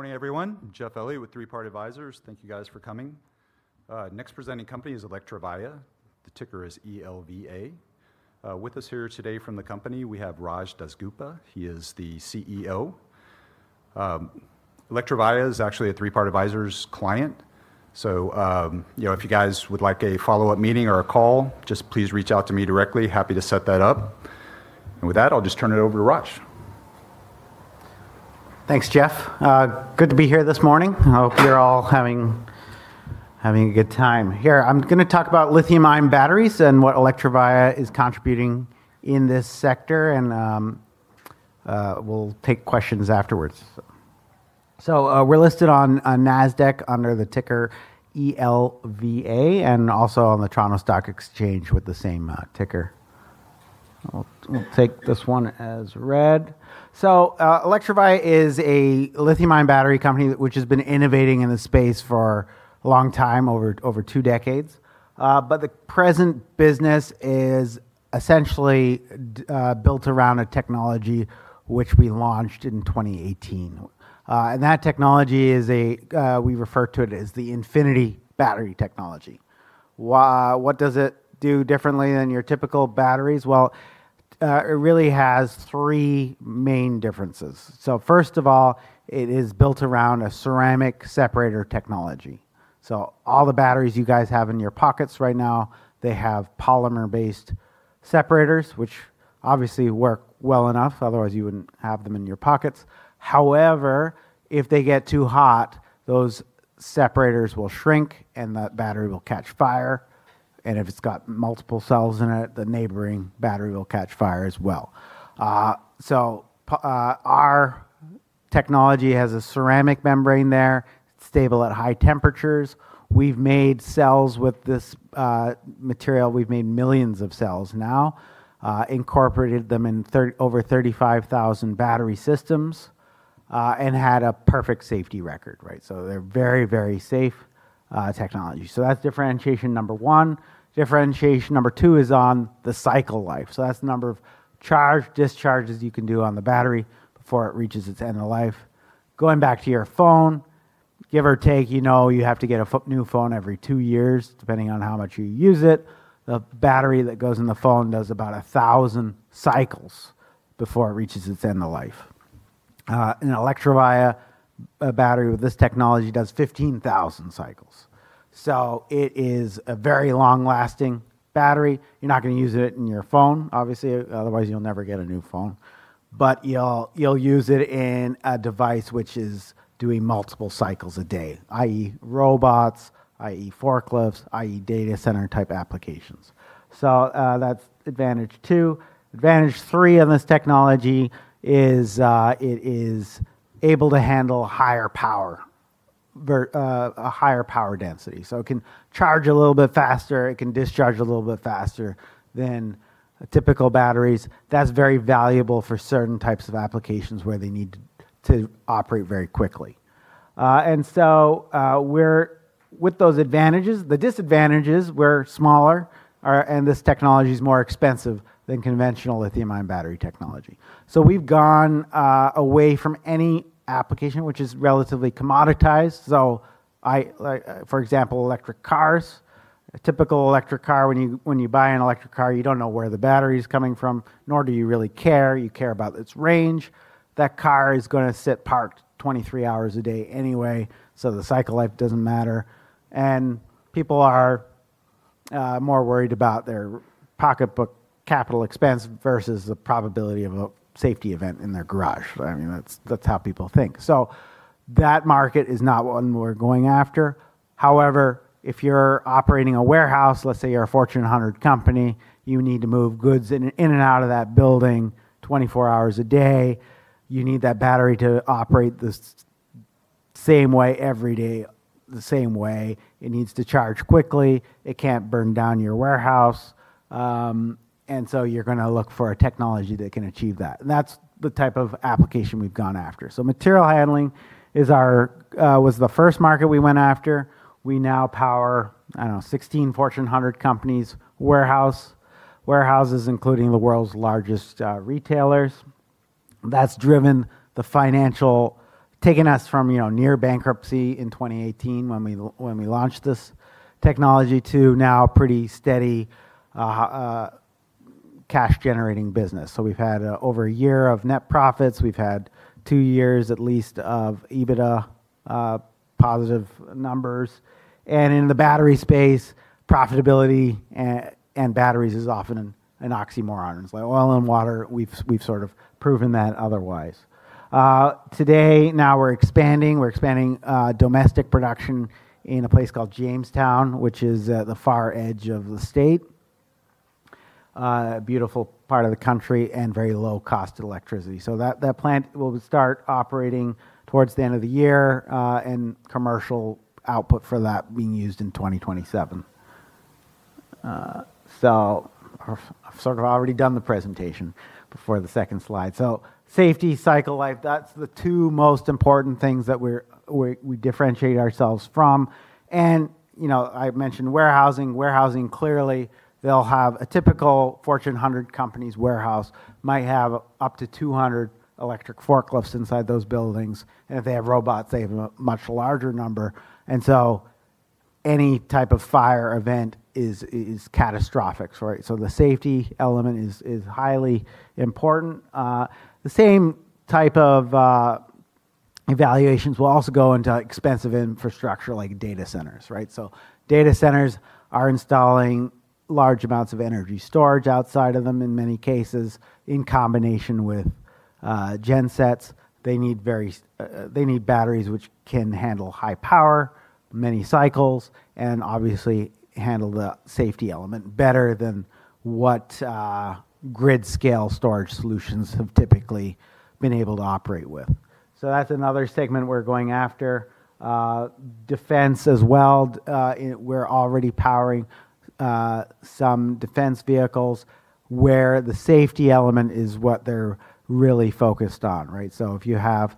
Morning, everyone. Jeff Elliott with Three Part Advisors. Thank you guys for coming. Next presenting company is Electrovaya. The ticker is ELVA. With us here today from the company, we have Raj Das Gupta. He is the CEO. Electrovaya is actually a Three Part Advisors client. If you guys would like a follow-up meeting or a call, just please reach out to me directly. Happy to set that up. With that, I'll just turn it over to Raj. Thanks, Jeff. Good to be here this morning. I hope you're all having a good time here. I'm going to talk about Lithium-ion batteries and what Electrovaya is contributing in this sector, and we'll take questions afterwards. We're listed on NASDAQ under the ticker ELVA, and also on the Toronto Stock Exchange with the same ticker. I'll take this one as read. Electrovaya is a Lithium-ion battery company which has been innovating in the space for a long time, over two decades. The present business is essentially built around a technology which we launched in 2018. That technology, we refer to it as the Infinity Battery Technology. What does it do differently than your typical batteries? Well, it really has three main differences. First of all, it is built around a ceramic separator technology. All the batteries you guys have in your pockets right now, they have polymer-based separators, which obviously work well enough, otherwise you wouldn't have them in your pockets. However, if they get too hot, those separators will shrink, and the battery will catch fire. If it's got multiple cells in it, the neighboring battery will catch fire as well. Our technology has a ceramic membrane there. It's stable at high temperatures. We've made cells with this material. We've made millions of cells now, incorporated them in over 35,000 battery systems, and had a perfect safety record, right? They're a very safe technology. That's differentiation number one, differentiation number two is on the cycle life. That's the number of charge discharges you can do on the battery before it reaches its end of life. Going back to your phone, give or take, you have to get a new phone every two years, depending on how much you use it. The battery that goes in the phone does about 1,000 cycles before it reaches its end of life. An Electrovaya battery with this technology does 15,000 cycles. It is a very long-lasting battery. You're not going to use it in your phone, obviously, otherwise you'll never get a new phone. You'll use it in a device which is doing multiple cycles a day, i.e. robots, i.e. forklifts, i.e. data center type applications. That's advantage two. Advantage three of this technology is it is able to handle a higher power density. It can charge a little bit faster, it can discharge a little bit faster than typical batteries. That's very valuable for certain types of applications where they need to operate very quickly. With those advantages, the disadvantages, we're smaller, and this technology's more expensive than conventional lithium-ion battery technology. We've gone away from any application which is relatively commoditized. For example, electric cars. A typical electric car, when you buy an electric car, you don't know where the battery's coming from, nor do you really care. You care about its range that car is going to sit parked 23 hours a day anyway, so the cycle life doesn't matter. People are more worried about their pocketbook capital expense versus the probability of a safety event in their garage that's how people think, that market is not one we're going after. However, if you're operating a warehouse, let's say you're a Fortune 100 company, you need to move goods in and out of that building 24 hours a day. You need that battery to operate the same way every day, the same way. It needs to charge quickly, it can't burn down your warehouse, you're going to look for a technology that can achieve that, and that's the type of application we've gone after. Material handling was the first market we went after. We now power, I don't know, 16 Fortune 100 companies' warehouses, including the world's largest retailers. That's driven the financial, taken us from near bankruptcy in 2018 when we launched this technology, to now pretty steady cash-generating business. We've had over a year of net profits. We've had two years at least of EBITDA positive numbers. In the battery space, profitability and batteries is often an oxymoron. It's like oil and water we've sort of proven that otherwise. Today, now we're expanding domestic production in a place called Jamestown, which is the far edge of the state. A beautiful part of the country and very low cost of electricity. That plant will start operating towards the end of the year, and commercial output for that being used in 2027. I've sort of already done the presentation before the second slide. Safety, cycle life, that's the two most important things that we differentiate ourselves from. I've mentioned warehousing. Clearly, a typical Fortune 100 company's warehouse might have up to 200 electric forklifts inside those buildings. If they have robots, they have a much larger number. Any type of fire event is catastrophic, right? The safety element is highly important. The same type of evaluations will also go into expensive infrastructure like data centers, right? Data centers are installing large amounts of energy storage outside of them in many cases, in combination with gensets. They need batteries which can handle high power, many cycles, and obviously handle the safety element better than what grid-scale storage solutions have typically been able to operate with. That's another segment we're going after defense as well. We're already powering some defense vehicles where the safety element is what they're really focused on. Right? If you have,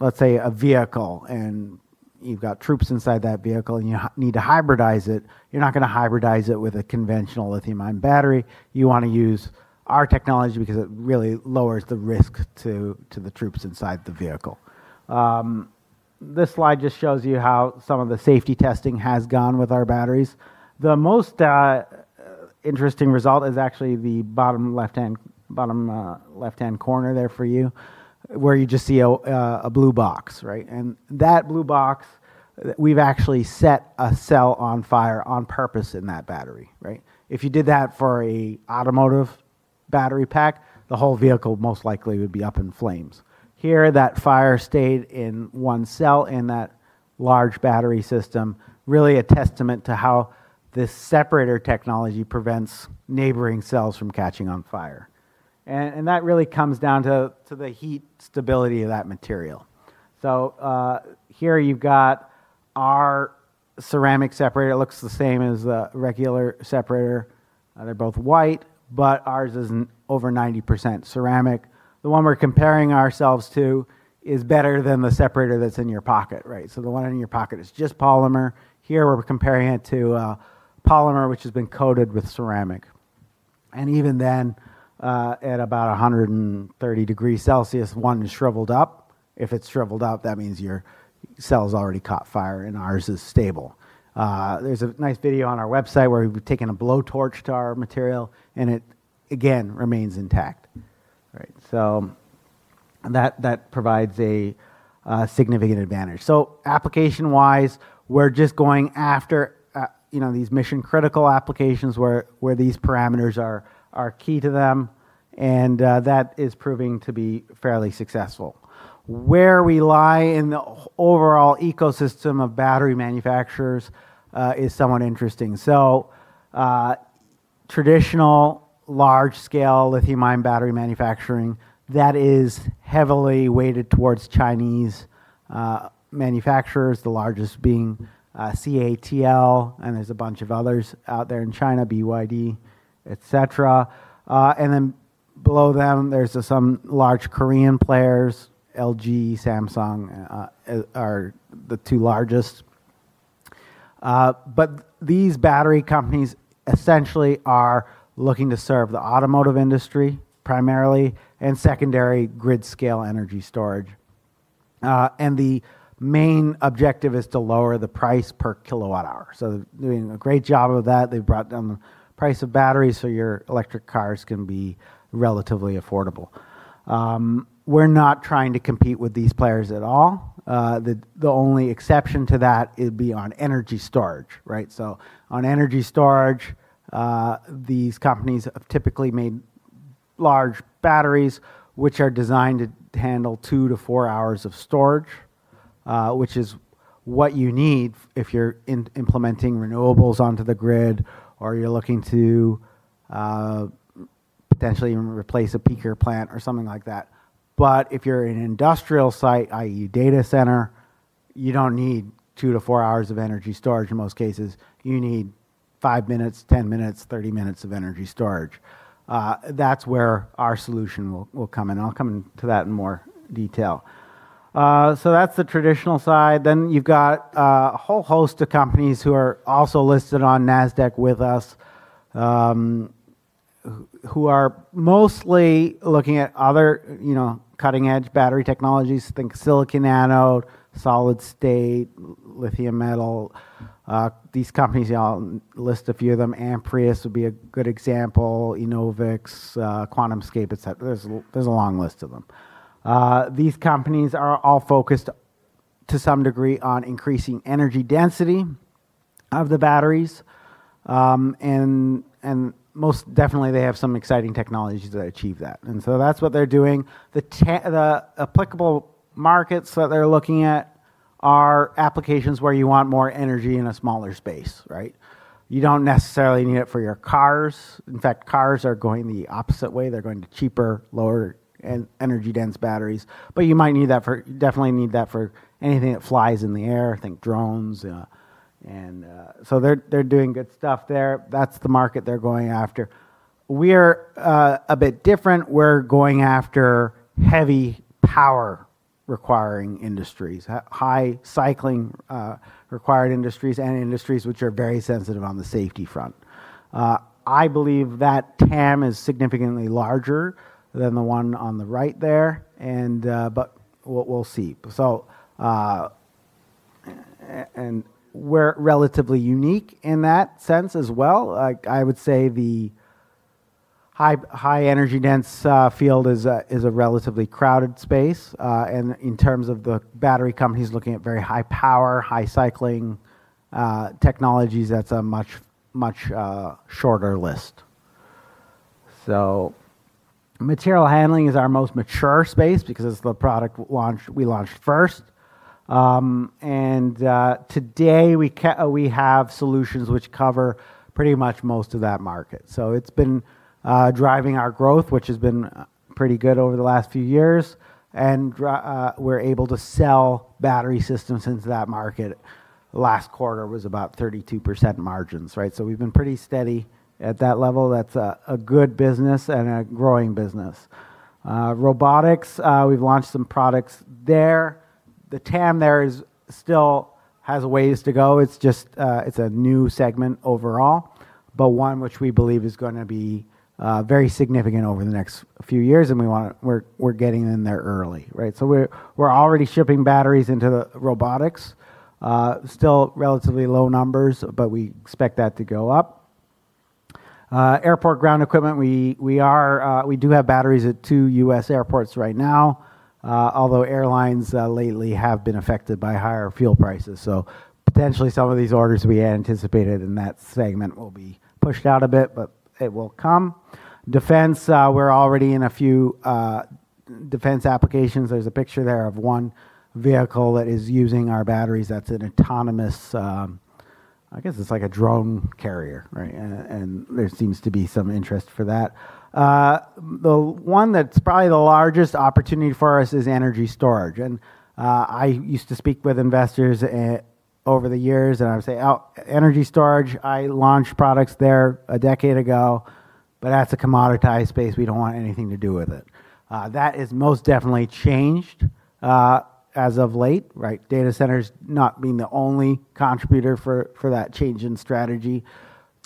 let's say, a vehicle, and you've got troops inside that vehicle, and you need to hybridize it, you're not going to hybridize it with a conventional lithium-ion battery. You want to use our technology because it really lowers the risk to the troops inside the vehicle. This slide just shows you how some of the safety testing has gone with our batteries. The most interesting result is actually the bottom left-hand corner there for you, where you just see a blue box. Right? That blue box, we've actually set a cell on fire on purpose in that battery. Right? If you did that for an automotive battery pack, the whole vehicle most likely would be up in flames. Here, that fire stayed in one cell in that large battery system, really a testament to how this ceramic separator technology prevents neighboring cells from catching on fire. That really comes down to the heat stability of that material here you've got our ceramic separator it looks the same as the regular separator. They're both white, but ours is over 90% ceramic. The one we're comparing ourselves to is better than the separator that's in your pocket. Right? The one in your pocket is just polymer. Here we're comparing it to a polymer which has been coated with ceramic. Even then, at about 130 degrees Celsius, one shriveled up. If it's shriveled up, that means your cell's already caught fire, and ours is stable. There's a nice video on our website where we've taken a blowtorch to our material, and it, again, remains intact. Right. That provides a significant advantage. Application-wise, we're just going after these mission-critical applications where these parameters are key to them, and that is proving to be fairly successful. Where we lie in the overall ecosystem of battery manufacturers is somewhat interesting. Traditional large-scale lithium-ion battery manufacturing, that is heavily weighted towards Chinese manufacturers, the largest being CATL, and there's a bunch of others out there in China, BYD, et cetera. Below them, there's some large Korean players LG, Samsung are the two largest these battery companies essentially are looking to serve the automotive industry primarily and secondary grid-scale energy storage. The main objective is to lower the price per kilowatt hour. They've brought down the price of batteries so your electric cars can be relatively affordable. We're not trying to compete with these players at all. The only exception to that would be on energy storage. Right? On energy storage, these companies have typically made large batteries, which are designed to handle two to four hours of storage, which is what you need if you're implementing renewables onto the grid, or you're looking to potentially even replace a peaker plant or something like that. If you're an industrial site, i.e. data center, you don't need two to four hours of energy storage in most cases. You need five minutes, 10 minutes, 30 minutes of energy storage. That's where our solution will come in. I'll come into that in more detail. That's the traditional side. You've got a whole host of companies who are also listed on NASDAQ with us, who are mostly looking at other cutting-edge battery technologies. Think silicon anode, solid-state, lithium metal. These companies, I'll list a few of them Amprius would be a good example, Enovix, QuantumScape, et cetera. There's a long list of them. These companies are all focused to some degree on increasing energy density of the batteries. Most definitely, they have some exciting technologies that achieve that. That's what they're doing. The applicable markets that they're looking at are applications where you want more energy in a smaller space, right? You don't necessarily need it for your cars. In fact, cars are going the opposite way. They're going to cheaper, lower energy-dense batteries. You might definitely need that for anything that flies in the air. Think drones. They're doing good stuff there. That's the market they're going after. We're a bit different. We're going after heavy power-requiring industries, high cycling required industries, and industries which are very sensitive on the safety front. I believe that TAM is significantly larger than the one on the right there. We'll see. We're relatively unique in that sense as well. I would say the high energy dense field is a relatively crowded space. In terms of the battery companies looking at very high power, high cycling technologies, that's a much shorter list. Material handling is our most mature space because it's the product we launched first. Today we have solutions which cover pretty much most of that market. It's been driving our growth, which has been pretty good over the last few years. We're able to sell battery systems into that market. Last quarter was about 32% margins, right? We've been pretty steady at that level. That's a good business and a growing business. Robotics, we've launched some products there. The TAM there still has a ways to go. It's a new segment overall, but one which we believe is going to be very significant over the next few years, and we're getting in there early, right? We're already shipping batteries into the robotics. Still relatively low numbers, but we expect that to go up. Airport ground equipment, we do have batteries at two U.S. airports right now, although airlines lately have been affected by higher fuel prices. Potentially some of these orders we had anticipated in that segment will be pushed out a bit. It will come. Defense, we're already in a few defense applications. There's a picture there of one vehicle that is using our batteries. That's an autonomous, I guess it's like a drone carrier, right? There seems to be some interest for that. The one that's probably the largest opportunity for us is energy storage. I used to speak with investors over the years, and I would say, "Oh, energy storage, I launched products there a decade ago. That's a commoditized space. We don't want anything to do with it." That has most definitely changed as of late, right? Data centers not being the only contributor for that change in strategy.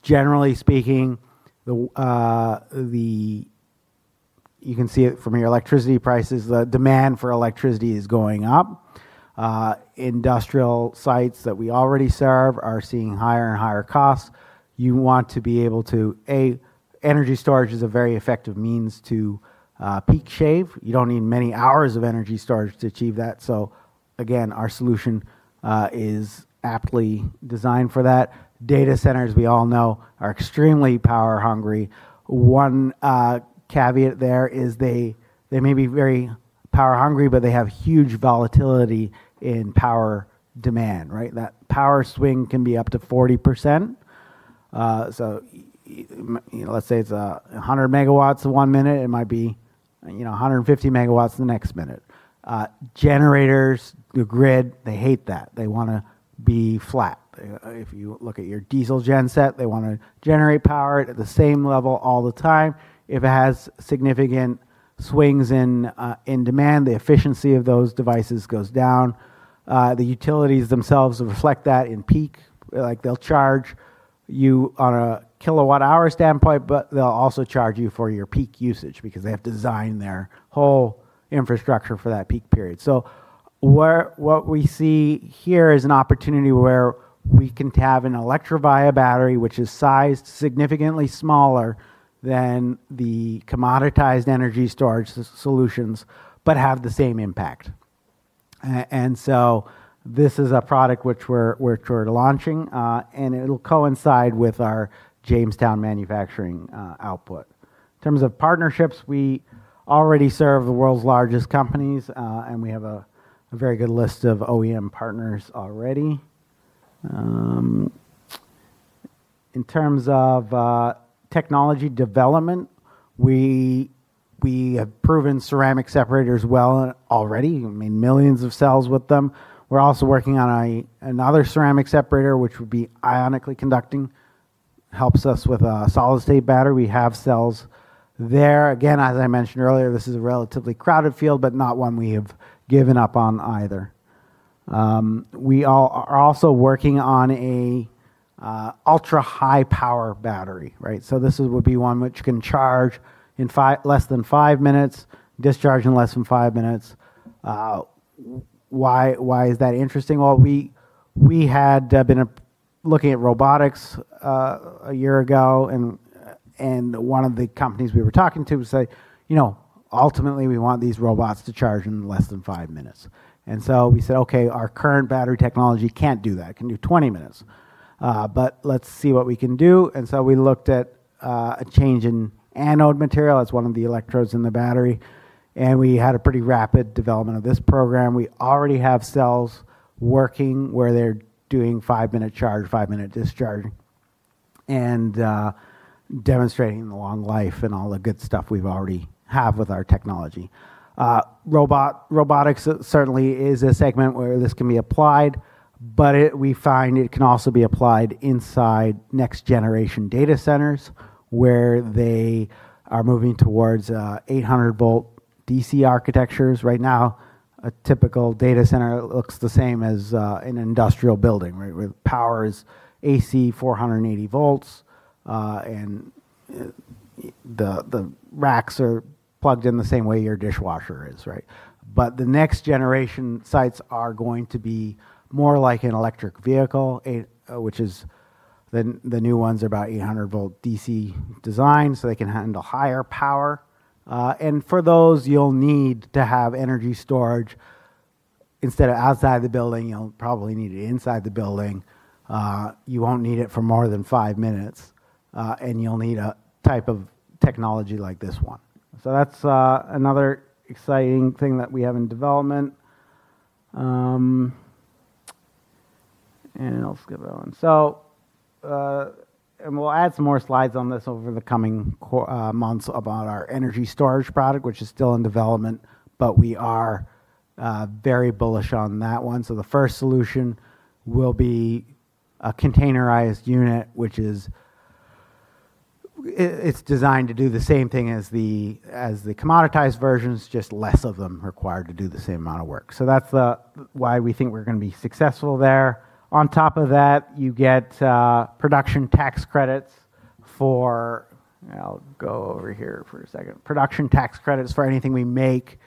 Generally speaking, you can see it from your electricity prices, the demand for electricity is going up. Industrial sites that we already serve are seeing higher and higher costs. You want to be able to, A, energy storage is a very effective means to peak shave. You don't need many hours of energy storage to achieve that. Again, our solution is aptly designed for that. Data centers, we all know, are extremely power hungry. One caveat there is they may be very power hungry, but they have huge volatility in power demand, right? That power swing can be up to 40%. Let's say it's 100 MW one minute, it might be 150 MW the next minute. Generators, the grid, they hate that. They want to be flat. If you look at your diesel gen set, they want to generate power at the same level all the time. If it has significant swings in demand, the efficiency of those devices goes down. The utilities themselves reflect that in peak. They'll charge you on a kilowatt hour standpoint, but they'll also charge you for your peak usage because they have to design their whole infrastructure for that peak period. What we see here is an opportunity where we can have an Electrovaya battery which is sized significantly smaller than the commoditized energy storage solutions, but have the same impact. This is a product which we're launching, and it'll coincide with our Jamestown manufacturing output. In terms of partnerships, we already serve the world's largest companies, and we have a very good list of OEM partners already. In terms of technology development, we have proven ceramic separators well already. We made millions of cells with them. We're also working on another ceramic separator which would be ionically conducting. Helps us with a solid-state battery. We have cells there. Again, as I mentioned earlier, this is a relatively crowded field, but not one we have given up on either. We are also working on an ultra-high power battery, right? This would be one which can charge in less than five minutes, discharge in less than five minutes. Why is that interesting? We had been looking at robotics a year ago, and one of the companies we were talking to would say, "Ultimately, we want these robots to charge in less than five minutes." We said, "Okay, our current battery technology can't do that. It can do 20 minutes. Let's see what we can do." We looked at a change in anode material. That's one of the electrodes in the battery. We had a pretty rapid development of this program. We already have cells working where they're doing five-minute charge, five-minute discharge, and demonstrating the long life and all the good stuff we've already have with our technology. Robotics certainly is a segment where this can be applied, but we find it can also be applied inside next generation data centers, where they are moving towards 800 V DC architectures right now. A typical data center looks the same as an industrial building, where power is AC 480 V, and the racks are plugged in the same way your dishwasher is, right? The next generation sites are going to be more like an electric vehicle, which the new ones are about 800 V DC design, so they can handle higher power. For those, you'll need to have energy storage instead of outside the building, you'll probably need it inside the building. You won't need it for more than five minutes. You'll need a type of technology like this one. That's another exciting thing that we have in development. I'll skip that one. We'll add some more slides on this over the coming months about our energy storage product, which is still in development, but we are very bullish on that one. The first solution will be a containerized unit, which is designed to do the same thing as the commoditized versions, just less of them required to do the same amount of work. That's why we think we're going to be successful there. On top of that, you get production tax credits for I'll go over here for a second. Production tax credits for anything we make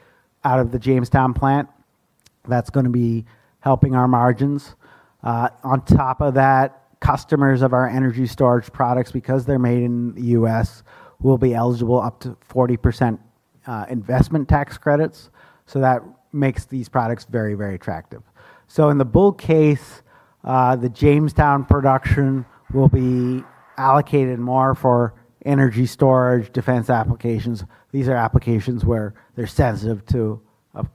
out of the Jamestown plant. That's going to be helping our margins. On top of that, customers of our energy storage products, because they're made in the U.S., will be eligible up to 40% investment tax credits. That makes these products very, very attractive. In the bull case, the Jamestown production will be allocated more for energy storage, defense applications. These are applications where they're sensitive to,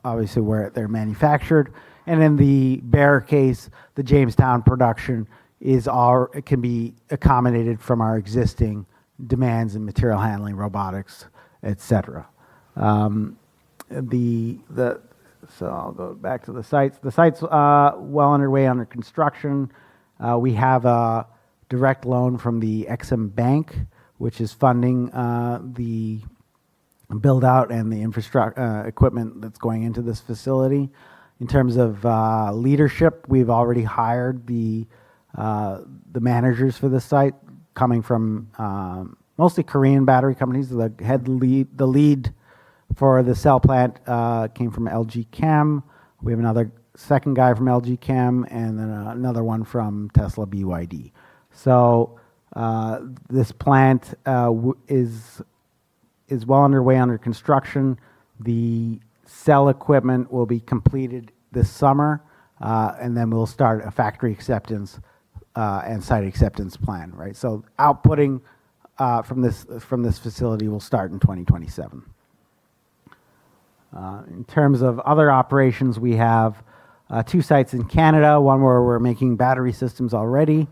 obviously, where they're manufactured. In the bear case, the Jamestown production can be accommodated from our existing demands and material handling, robotics, et cetera. I'll go back to the sites. The site's well on their way under construction. We have a direct loan from the EXIM Bank, which is funding the build-out and the equipment that's going into this facility. In terms of leadership, we've already hired the managers for the site, coming from mostly Korean battery companies. The lead for the cell plant came from LG Chem. We have another second guy from LG Chem, and then another one from Tesla BYD. This plant is well on their way under construction. The cell equipment will be completed this summer, then we'll start a factory acceptance and site acceptance plan. Outputting from this facility will start in 2027. In terms of other operations, we have two sites in Canada, one where we're making battery systems already,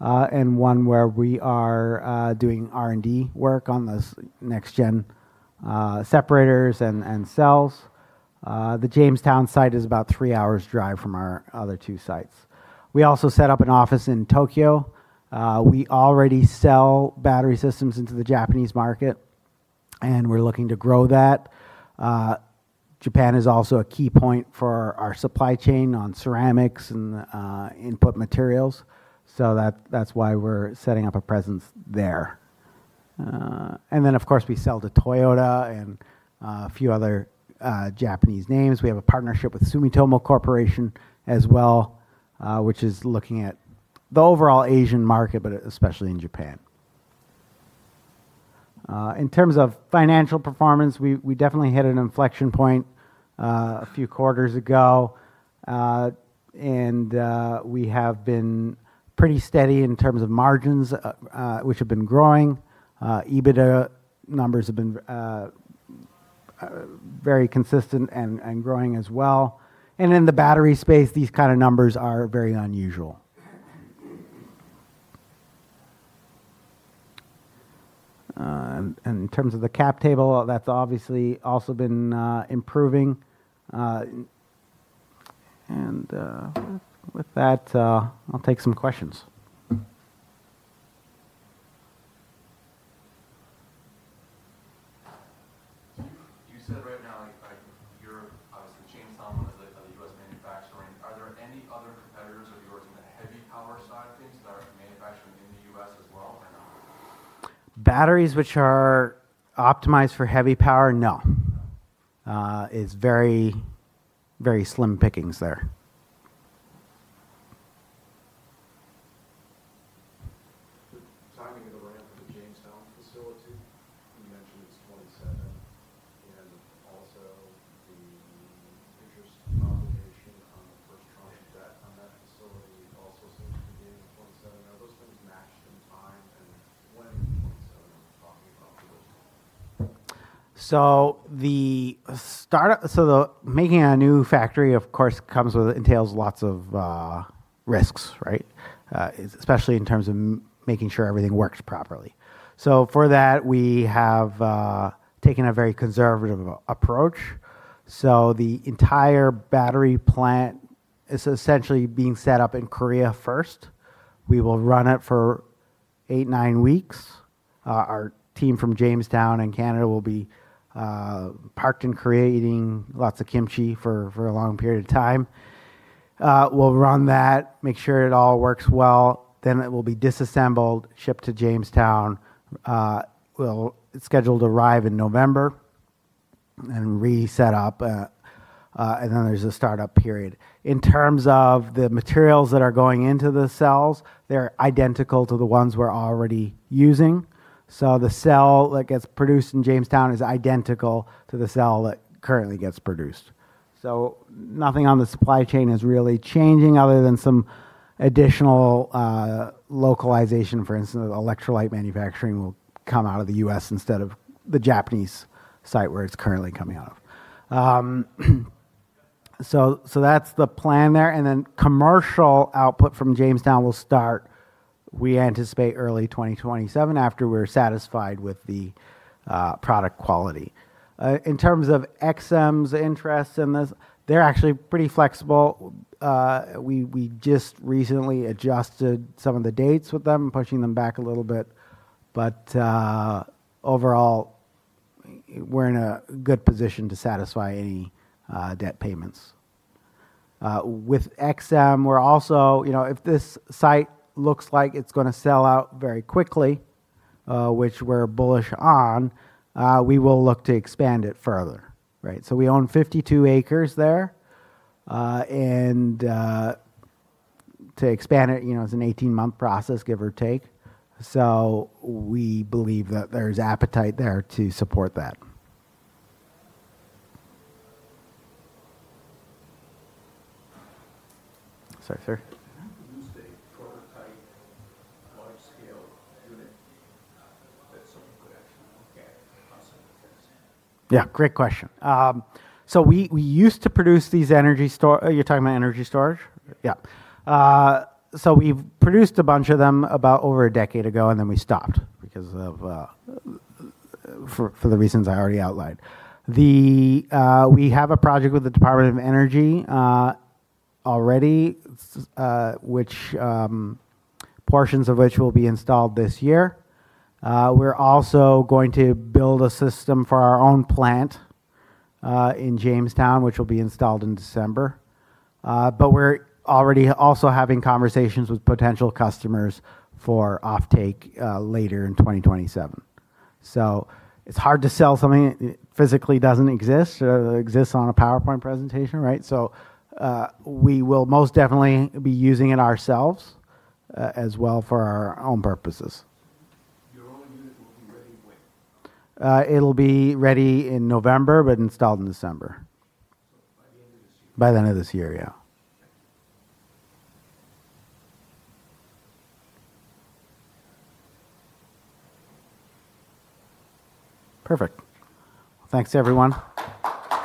and one where we are doing R&D work on this next-gen separators and cells. The Jamestown site is about three hours' drive from our other two sites. We also set up an office in Tokyo. We already sell battery systems into the Japanese market, and we're looking to grow that. Japan is also a key point for our supply chain on ceramics and input materials. That's why we're setting up a presence there. Then, of course, we sell to Toyota and a few other Japanese names. We have a partnership with Sumitomo Corporation as well, which is looking at the overall Asian market, but especially in Japan. In terms of financial performance, we definitely hit an inflection point a few quarters ago. We have been pretty steady in terms of margins, which have been growing. EBITDA numbers have been very consistent and growing as well. In the battery space, these kind of numbers are very unusual. In terms of the cap table, that's obviously also been improving. With that, I'll take some questions. You said right now, you're obviously, Jamestown is a U.S. manufacturing. Are there any other competitors of yours in the heavy power side of things that are manufacturing in the U.S. as well? Batteries which are optimized for heavy power, no. It's very slim pickings there. The timing of the ramp of the Jamestown facility, you mentioned it's 2027, and also the interest obligation on the first tranche of debt on that facility also seems to be ending in 2027. Are those things matched in time? When in 2027 are we talking about for those things? Making a new factory, of course, entails lots of risks, right? Especially in terms of making sure everything works properly. For that, we have taken a very conservative approach. The entire battery plant is essentially being set up in Korea first. We will run it for eight, nine weeks. Our team from Jamestown and Canada will be parked and creating lots of kimchi for a long period of time. We'll run that, make sure it all works well, then it will be disassembled, shipped to Jamestown. It's scheduled to arrive in November and re-set up, and then there's a start-up period. In terms of the materials that are going into the cells, they're identical to the ones we're already using. The cell that gets produced in Jamestown is identical to the cell that currently gets produced. Nothing on the supply chain is really changing other than some additional localization. For instance, electrolyte manufacturing will come out of the U.S. instead of the Japanese site where it's currently coming out of. That's the plan there, and then commercial output from Jamestown will start, we anticipate early 2027 after we're satisfied with the product quality. In terms of EXIM's interest in this, they're actually pretty flexible. We just recently adjusted some of the dates with them, pushing them back a little bit. Overall, we're in a good position to satisfy any debt payments. With EXIM, if this site looks like it's going to sell out very quickly, which we're bullish on, we will look to expand it further. We own 52 acres there, and to expand it's an 18-month process, give or take. We believe that there's appetite there to support that. Sorry, sir. Have you used a prototype wide-scale unit that someone could actually look at? Yeah. Great question. We used to produce these energy storage. You're talking about energy storage? Yeah. Yeah. We've produced a bunch of them about over a decade ago, and then we stopped because of, for the reasons I already outlined. We have a project with the Department of Energy already, portions of which will be installed this year. We're also going to build a system for our own plant, in Jamestown, which will be installed in December. We're already also having conversations with potential customers for offtake later in 2027. It's hard to sell something that physically doesn't exist or exists on a PowerPoint presentation, right? We will most definitely be using it ourselves, as well for our own purposes. Your own unit will be ready when? It'll be ready in November, but installed in December. By the end of this year. By the end of this year, yeah. Thank you. Perfect. Thanks, everyone.